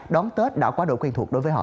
đón tết đã quá độ quen thuộc đối với họ